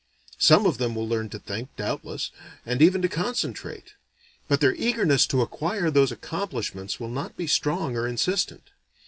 Some of them will learn to think, doubtless, and even to concentrate, but their eagerness to acquire those accomplishments will not be strong or insistent.